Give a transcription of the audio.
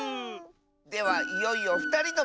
ではいよいよふたりのばんだ。